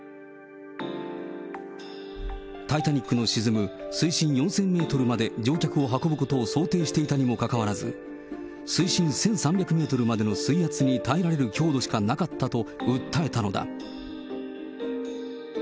タイタニックの沈む水深４０００メートルまで乗客を運ぶことを想定していたにもかかわらず、水深１３００メートルまでの水圧に耐えられる強度しかなかったと訴えたのだ。